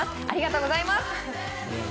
ありがとうございます。